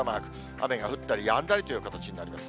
雨が降ったりやんだりという形になります。